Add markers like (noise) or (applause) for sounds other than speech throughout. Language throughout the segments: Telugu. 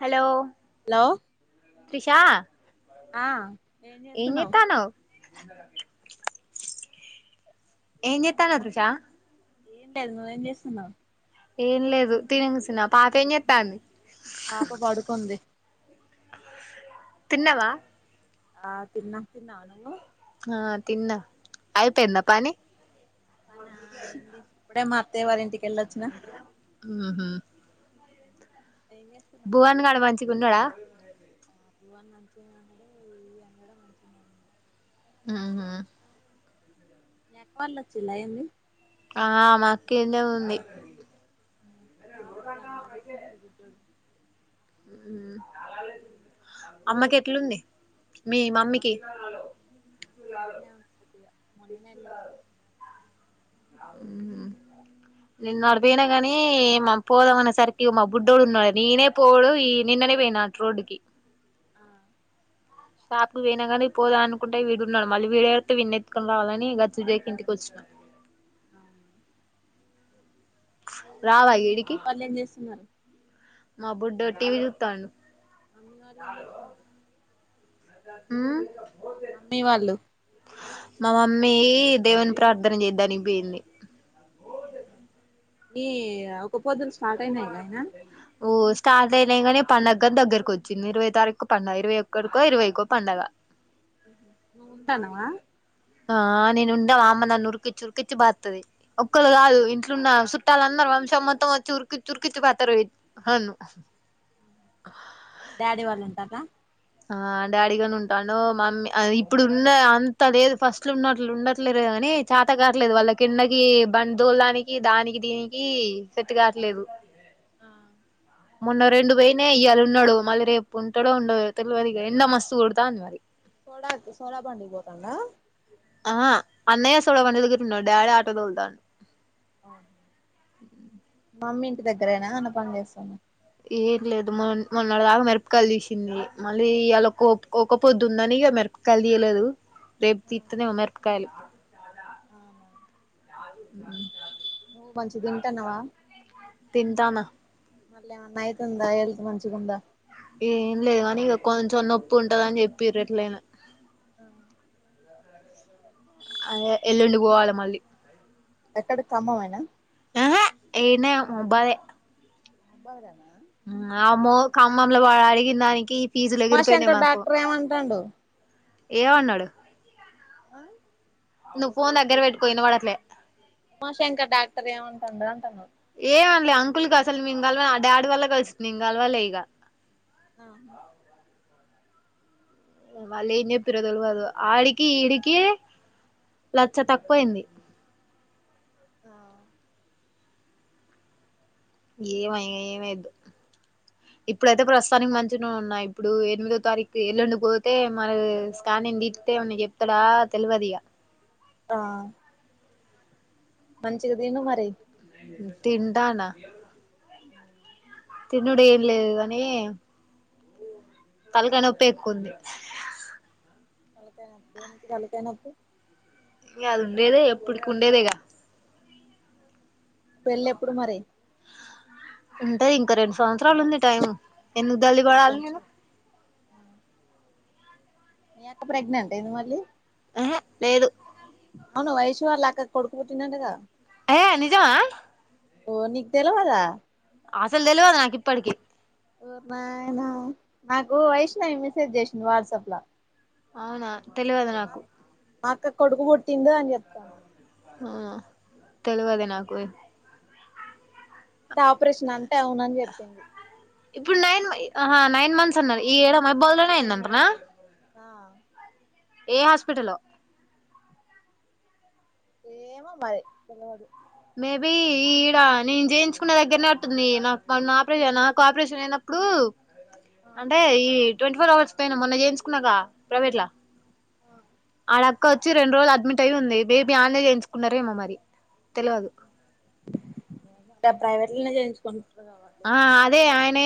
హలో హలో త్రిషా ఆ ఏం చెత్తన్నావ్ ఏం చెత్తాన్నవ్ త్రిష ఏంలేదు నువు ఏంచేస్తున్నావ్ ఏం లేదు తిని కుసున్న పాపేం చెత్తాన్ది? పాప పడుకుంది. తిన్నవా? ఆ తిన్న తిన్నావా నువ్వు? ఆ తిన్న అయిపోయింద పనీ పనా అయింది ఇప్పుడే మా అత్తయ్య వాళ్ళ ఇంటికి వెళ్ళొచ్చిన ఉహు ఏం చేస్తున్నావు భువన్ గాడు మంచిగున్నాడా భువాన్ మంచిగనే ఉన్నాడు మీ అన్నగూడ మంచిగానే ఉన్నాడు. ఆహా మీ అక్క వాళ్ళు ఒచ్చిల్లా ఏంది? ఆ మా అక్క ఈడనే ఉంది. (unintelligible) ఉమ్ అమ్మకి ఎట్లుంది? మీ మాక్ మమ్మీకి మంచిగనే ఉంది ఇగ మొన్ననే ఎల్లోచ్చినం. ఉమ్ నేనడిపోయనుకాని పోదామ అనే సరికి మా బుడ్డోడు ఉన్నాడు. నేనే పోడు ఈ నిన్ననే పోయినా నాట్రోడుకి ఆ షాపుకి పోయినా కానీ పోదాం అనుకుంటే విడున్నాడు మళ్ళీ వీడెడితే విన్నెత్తుకొని రావాలని గప్చ్ దేక ఇంటికొచ్చినా. అవును రావా ఈడికి వాళ్లేం చేస్తున్నారు? మా బుడ్డోడు టీవీ చూతాండు. మమ్మీ వాళ్ళు ఏం చేస్తున్నారు? ఊ మమ్మీ వాళ్ళు మా మమ్మీ దేవుని ప్రార్థన చేద్దానికి పోయింది. ఈ యాకోబ్ ఓస్ స్టార్ట్ అయినాయి గానీ పండగనేదగ్గరకు వచ్చింది. ఇరవై తారీకు పండగ ఇరవై ఒకటికో, ఇరవైకో పండగ. నువ్వు ఉంటానవా? ఆ నేను ఉండ మా అమ్మ నన్ను ఉరికిచ్చి, ఉరికిచ్చి బాదుతది. ఒకళ్ళు కాదు ఇంట్లున్న సుట్టాల అందరూ వంశం మొత్తం వచ్చి ఉరికిచ్చి ఉరికిచ్చి బాదుతరు హన్ను డాడీ వాళ్ళు ఉంటార్రా? ఆ డాడీగానే ఉంటాను మమ్మీ ఆ ఇప్పుడున్న అంత లేదు ఫస్ట్ లు ఉన్నట్లు ఉండట్లేరిగా. కానీ చాత కాట్లేదు వాళ్ళ కిందకి బందోలానికి దానికి దీనికి సెట్టు కాట్లేదు. మొన్న రెండు పోయినాయి ఇయ్యాలున్నాడు మళ్ళీ రేపు ఉంటడో ఉండడో తెలవదు ఇగ ఎండ మస్తు కొడతాంది మరి సోడండి సోడా బండికి పోతాండా? ఆ అన్నయ సోడ బండి దగ్గర ఉన్నాడు. డాడీ ఆటో తొలతా అ మమ్మీ ఇంటి దగ్గరేనా ఏమన్నా పని చేస్తందా? ఏం లేదు మొ మొన్నడదాకా మిరపకాయలు తీసింది. మళ్ళీ ఇయాలా ఒక ఒకపొద్ధుందని ఇగ మిరపకాయలు తీయలేదు. రేపు తీత్తదేమో మిరపకాయలు అవునా జాను జాను నువ్వు మంచిగ తింటాన్నవా? తింటానా మళ్ళీ ఏమన్నా అయితుందా హెల్త్ మంచిగుందా? ఏం లేవనీ ఇక కొంచెం నొప్పి ఉంటదని చెప్పిరు ఎట్లైన హా అదే ఎల్లుండి పోవాల మళ్ళీ ఎక్కడ ఖమ్మమేనా ఆహా ఈడ్నె ముబదే మౌబద్లన అమ్మో ఖమ్మంలో వాడు అడిగిందానికి ఫీజులు ఎగిరిపోయినాయ్ ఉమాశంకర్ మాకు డాక్టర్ ఏమంటాండు ఏమన్నాడు అ నువ్ ఫోన్ దగ్గర వెట్టుకో ఇనవడట్లే ఉమాశంకర్ డాక్టర్ ఏమంటండు అంటన్నా? అంకుల్గ అసలు మేం గల్వ ఆ డాడ్వల్ల గల్స్ నేన్గల్వలే ఇగ ఆ వాల్లెంజేప్పిర్రో దెల్వదూ ఆడికి ఈడికి లచ్చ తక్కువైంది ఆ ఏమో ఇగ ఏమేయొద్దు ఇప్పుడైతే ప్రస్తానికి మంచనే ఉన్నా ఇప్పుడు ఎనిమిదో తారీక్కు ఎల్లుండి పోతే మరి స్కానింగ్ తిత్ తె ఎమన్న జెప్తడా తెల్వదిగా ఆ మంచిగదిను మరి తింటాన (unintelligible) తినుడెం న్లేదు గనీ తల్కాయ్ నొప్పే ఎక్కువుంది తలకాయ్ నోప్పి దేనికి తల్కాయ్ నోప్పి ఇంగ అది ఉండేదే ఎప్పుడికి ఉండేదేగా పెళ్లెప్పుడు మరి ఉంటది ఇంకా రెండు సంవత్సరాలు ఉంది టైము ఎందుకు ఇంకా దల్లి రెండు బడాలి నేను సంవత్సరాలు మీ అక్క ప్రెగ్నెంటయిందా మళ్ళీ ఎహే లేదు ఔను వైషు వాళ్ళక్కకు కొడుకుపుట్టిండు గా ఏ నిజమా ఓ నిక్ తెలవదా ఆసల్ దెల్వద్ నాకిప్పటికిీ ఒర్నాయనా నాకు వైష్ణవి మిసేజ్ జేసింద్ వాట్సాప్ల ఔనా తెలవదు నాకు ఆక్కకు కొడుకు పుట్టిండు అని చెప్తాంది ఆ తెలువది నాకుఎ ఆపరేషనా అంటే ఔనజ్జేప్పింది ఇప్పుడు నైన్ మ అహ నైన్ మంత్స్ అన్నది ఈఏడ మౌబాద్ లోనే అయిందంటనా ఆ ఏ హాస్పిటలో ఏమో మరి తెలువదు మేబీ ఈడ నీన్ జేయించుకునే దగ్గర్నే అటుంది నాకు మొన్న ఆపరేషన్ నాకు ఆపరేషన్ అయినప్పుడు అంటే ఈ ట్వంటీ ఫోర్ అవర్స్ పైన్ మొన్న జేయించుకున్నాగా ప్రైవేట్లా అ వాళ్ళ అక్చొచ్చి రెండ్రోజులు అడ్మిటయి ఉంది మేబీ అన్నే జేయించుకున్నారేమో మరి తెలవదు ఇన్నే జేయించుకోం ఆ అదే ఆయనే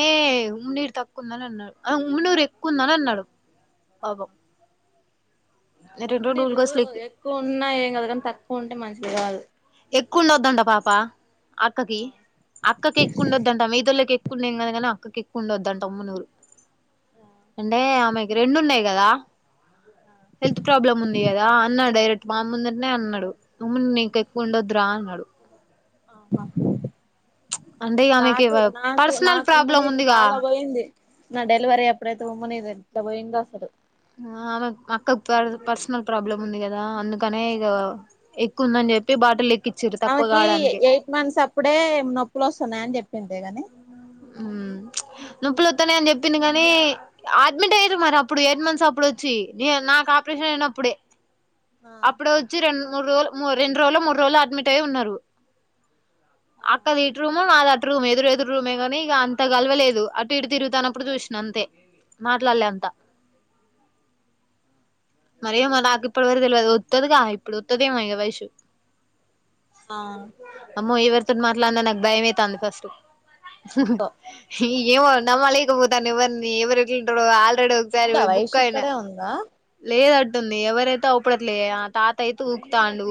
ఉమ్మినీరు తక్కువుందని అన్నాడు ఆ ఉమ్మునూరు ఎక్కువుందని అన్నడు ఆహా రెండు రోజులు ఉమ్మునీరు గ్లూకోస్లు ఎక్కువ ఉన్నా ఏంకాదు గానీ తక్కువుంటే మంచిది గాదు ఎక్కువుండొద్దంట పాప అక్కకి ఆ అక్కకి ఎక్కువుండొద్దంట మిగతొల్లకి ఎక్ క్కున్న ఎం కాదు గానీ అక్కకెక్కువుండొద్దంట ఉమ్మునూరు అంటే ఆమె రెండున్నాయ్ గదా హెల్త్ ప్రాబ్లమ్ ఉంది గదా అన్నా డైరెక్ మాముందట్నే అన్నాడు రా అన్నాడు అవున అంద్ దాకు నాకు నాకు ఉమ్మనీరు ఉందిగా చాలా పోయింది నా డెలివరీ అప్పుడైతే ఉమ్మనీర్ త్త పోయిందో అసలు అ ఆమెక్ మా అక్కకు పర్సనల్ ప్రాబ్లం ఉంది గదా అందుకనే ఇగ ఎక్కువ ఉందాన్ పెట్టి బాటిల్ ఎక్కిచ్చిరు తక్కువ ఆమెకి కావడానికి ఎయిట్ మంత్స్ అప్పుడే నొప్పులోస్తున్నాయి అని చెప్పింటే గాని మ్మ్ నొప్పులొత్తాన్నయ్ అని జేప్పింది గానీ అ అడ్మిట్ అయ్యిరు మరి అప్పుడు ఎయిట్ మంత్స్ అప్పుడు వచ్చి నాకు అప్రెషన్ అయినప్పుడే ఆ అప్పుడే ఒచ్చి రెండు మూడు రోజులు రెండు రోజులో మూడు రోజులో అడ్మిట్ అయి ఉన్నారు అక్కది ఇటు రూమ్ నాది అటు రూమ్ ఎదురు ఎదురూ మే గనీ ఇగ అంత గలవలేదు అటు ఇటు తిరుగుతానప్పుడు చూసిన అంతే మాట్లాడలే అంత మరేమో నాక్ ఇప్పుడి వరకు తెల్వదు ఒత్తది గా ఆమె ఇప్పుడు ఒత్తదేమో ఇగ వైషూ ఆ ఎవరితోటి మాట్లాడినా నాకు భయమైతాంది ఫస్ట్ ఎందుకో పోతాను ఎవరిని ఎవరు ఎట్లుంటరో ఆల్రెడీ ఒకసారి ఉందా పొయి బుక్ వైషు అయిన ఇక్కడే ఉందా లేదట్టుంది ఎవరైతే అవుపడట్లే ఆ తాత అయితే ఉరుకుతాండు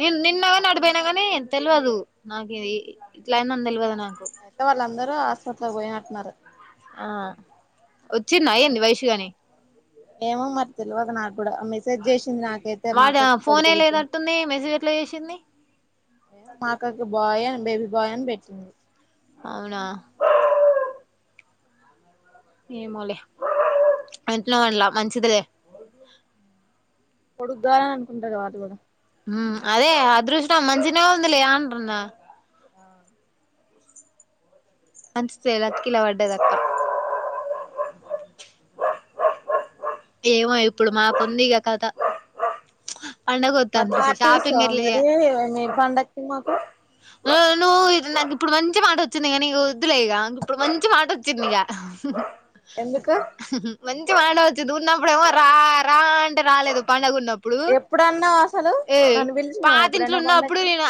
నేన్ నిన్నగాని అటుపోయినా కానీ తెల్వదు నాకు ఇది ఇట్లయిందని తెలియదు నా అయితే వాళ్ళందరూ హాస్పిటల్ పోయినట్టున్నారు ఆ ఒచ్చిందా ఏంది వైషూ గనీ ఏమో మరి తెల్వదు నాకు మెసేజ్ చేసింది నాకైతే మా వాడ అక్కకు కొడుకు ఫోనే బూట్టిన్ను లేనట్టుంది మెసేజ్ ఎట్లా చేసింది మా అక్కకి బాయ్ అని బేబీ బాయ్ అని బెట్టింది అవునా ఏమోలే యెట్లానో ల మంచింది లే కొడుకుగావాలని అనుకుంటారు కదా అట్లానే మ్మ్ అదే అదృష్టం మంచినే ఉందిలే అంటున్న అవును మంచుకులేద కిల పడ్డది అక్క ఏమో ఇప్పుడు ఇంకా మాకు ఉంది ఇగ కథ మరి పండగొత్తాంది పార్టీ షాపింగ్ ఇస్తావా ఎట్లా మరి మీ పండక్కి మాకు ఉను ఇది నాకు ఇప్పుడు మంచి మాట వొచ్చింది నీకు ఒద్దులే ఇక ఇప్పుడు మంచి మాట ఒచ్చింది ఇగా (inaudible) ఎందుకు మంచి మాట వచ్చింది ఉన్నప్పుడెమో రా రా అంటే రాలేదు పండగుం ఎప్పుడన్నావ్ అసలు ఏయ్ నన్ను పిలిచినావా పాతింట్లొ ఎప్పుడైనా ఉన్నప్పుడు పండక్కి నిమ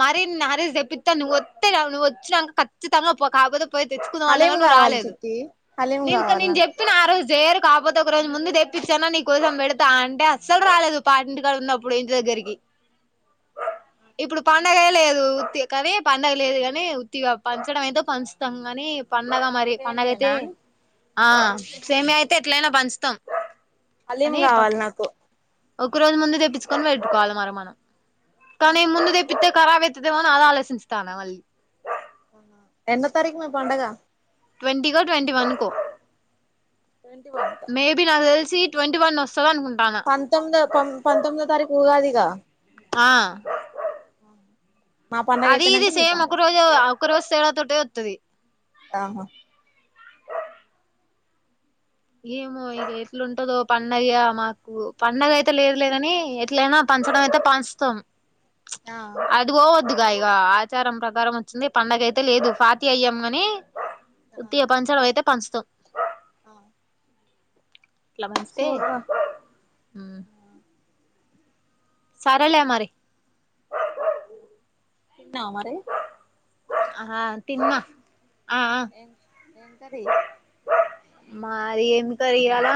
మరిన్ని ఆరంజ్ తెప్పిత్త నువ్వోత్తే గా నువ్వొచ్చినంక కచ్చితంగా పో కాపోతే పోయి తెచ్చుకుందాం అన్నా హలీం గాని నువ్వు కావాలి రాలేదు చిట్టి హలీం నిను కావాలి నీకు నాకు చెప్పిన ఆరోజు కాకపోతే ఒక రోజు ముందు తెప్పిచ్చి అయిన నీకోసం పెడతా అంటే అస్సలు రాలేదు పాతింటికాడ ఉన్నప్పుడు ఇంటి దగ్గరికి ఇప్పుడు పండగే లేదు ఉత్తి గా కానీ పండగ లేదు కానీ ఉత్తిగా పంచడం ఐతే పంచుతం గనీ పండగ మరి పండగైతే సేమియానా ఆ సేమ్యా అయితే ఎట్లెనా పంచుతాం హలీం గావాలి నాకు ఒక్క రోజు ముందు తెప్పించుకొని పెట్టుకోవాలి మరి మనం ఆ తెప్పితే ఖరాబ్ అయితాది ఏమో అని అది ఆలోచించుతాన్న మళ్ళీ ఎన్న తారీఖు నా మీ పండగ ట్వంటి కో ట్వంటీ వన్ కో ట్వంటీ వన్ కా మేబి నాకు తెలిసి ట్వంటీ వన్ వస్ పంతొమ్మిదో తొం పంతొమ్మిదో తారీఖు ఉగాదిగా ఆ మా పండగ అది ఇది అయిపోయినాక మీ సేమ్ పండగ ఒక రోజే ఒక రోజు తేడా తోటే వత్తాది ఆహా ఏమో ఇది ఎట్లుంటదో పండగ మాకు పండగ అయితే లేదు లే గాని ఎట్లయినా ప పంచడం అయితే పంచతాం ఆ అది పోవద్దు ఇగ ఇగ ఆచారం ప్రకారం వచ్చింది పండగ అయితే లేదు ఫాతియ ఇయ్యాము గని ఉత్తిగా పంచడం అయితే పంచుతాం ఆ ఇట్లా పంచితే చూడరా సరె లే మరి తిన్నవ మరి అహ హలో తిన్న ఆ ఆ ఏం ఏం కర్రీ మాది ఏం కర్రి ఇయాల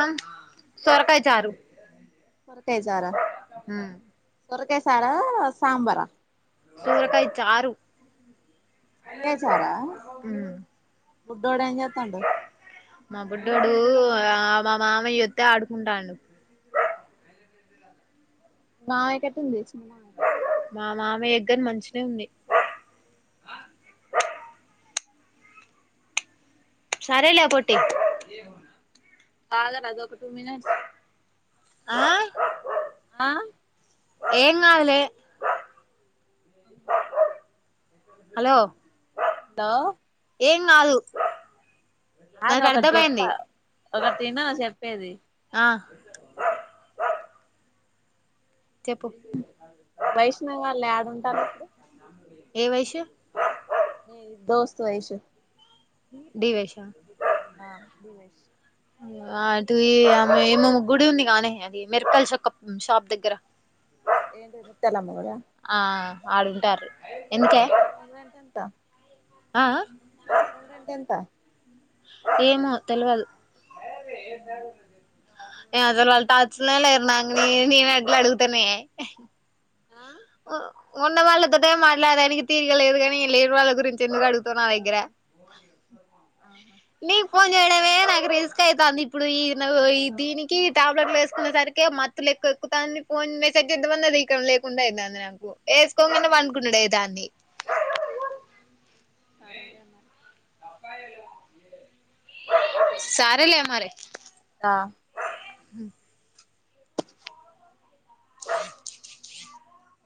సోరకాయ చారు సొరకాయచారా ఉమ్ సోరకాయసారా సాంబార సోరకాయ చారు సోరకాయ చారా ఉమ్ బుడ్డోడు ఏం చేతండు మా బుడ్డోడు ఆ మా మామయ్య వొత్తే ఆడుకుంటాండు మీ మామయ్యకెట్ట ఉంది చేన్ మా మామయ్య కు గాని మంచినే ఉంది సరే లే పొట్టి ఆగరాదు ఒక టూ మినిట్స్ ఆ ఆ ఏం గాదు లే బ్లాంక్ హలో లో ఏం గాదు అగు ఒకటి జెప్తా ఒకటిను చెప్పేది ఆ చెప్పు వైష్ణవి వాళ్ళు యాడుంటాళ్ళు ఇప్పుడు ఏ వైషు నీ దోస్తూ వైషు డి వైషు ఆ అ డి వైషు అటు ఇ ఆ ఎమో గుడి ఉంది గానె అది మిరకాయల షాక్కప్ షాప్ దగ్గర ఏంటిది ముత్యాలమ్మ గూడా ఆడుంటార్రు ఎంత రూమ్ రెంట్ ఎంత ఆ ఆ రూమ్ రెంట్ ఎంత ఏమో తెలువదు బ్లాంక్ (inaudible) నే అసలు వాళ్ళ టాచ్ లనే లేరు నాంగ ని నేను ఎట్లా అడుగుతనే ఆ ఉ ఉన్న వాళ్ళతోటే మాట్లాడానికి తీరిగలేదు కాని లేని వాళ్ళ గురించి ఎందుకు అడు తనవ్ నా ఆ దగ్గర నీ ఫోన్ చేయడమే బ్లాంక్ నాకు రిస్క్ అయితంది ఇప్పుడు ఈ ను దీనికి టాబ్లెట్లు ఎసుకునే సరికె మత్తులెక్క ఎక్కుతంది పోన్ న్ మెసేజ్ చేద్దామన్న రికమ్ లేకుండా అయితాంది నాకు ఏసుకోంగనే పనుకునుడైతాంది సరే రే మరి సరే లె మరే ఆ హ్మ్